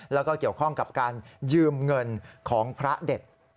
แล้วก็เกี่ยวข้องกับการยืมเงินของพระเด็ด